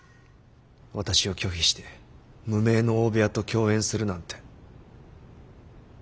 私を拒否して無名の大部屋と共演するなんて。